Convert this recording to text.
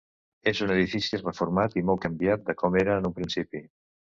És un edifici reformat i molt canviat de com era en un principi.